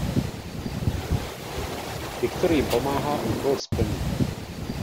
Viktor jim pomáhá úkol splnit.